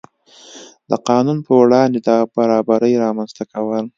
د قانون په وړاندې د برابرۍ رامنځته کول.